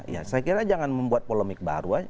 ya saya kira jangan membuat polemik baru aja